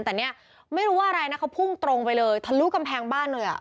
แต่เนี่ยไม่รู้ว่าอะไรนะเขาพุ่งตรงไปเลยทะลุกำแพงบ้านเลยอ่ะ